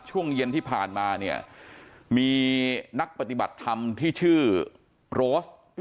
ช่วงเย็นที่ผ่านมาเนี่ยมีนักปฏิบัติธรรมที่ชื่อโรส